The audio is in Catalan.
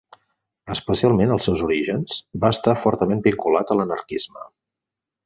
Especialment als seus orígens, va estar fortament vinculat a l'anarquisme.